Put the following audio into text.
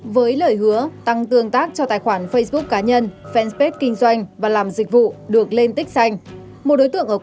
bởi ai cũng muốn tài khoản cá nhân an toàn và uy tín hơn